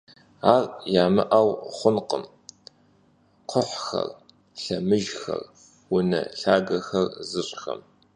Ar yamı'eu xhurkhım kxhuhxer, lhemıjjxer, vune lhagexer zış'xem.